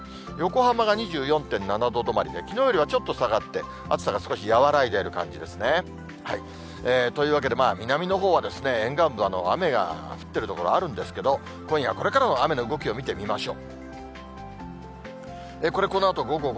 横浜が２４．７度止まりで、きのうよりはちょっと下がって、暑さが少し和らいでいる感じですね。というわけで、南のほうは沿岸部、雨が降っている所あるんですけど、今夜これからの雨の動きを見てみましょう。